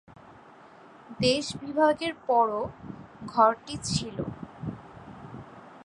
দেশ বিভাগের পরও ঘরটি ছিল।